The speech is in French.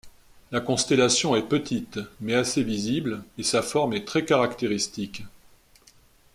La constellation est petite, mais assez visible, et sa forme est très caractéristique.